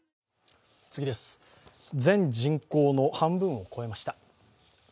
全人口の半分を超えました。